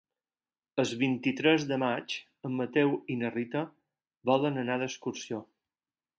El vint-i-tres de maig en Mateu i na Rita volen anar d'excursió.